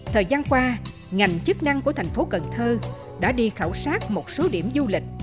thời gian qua ngành chức năng của thành phố cần thơ đã đi khảo sát một số điểm du lịch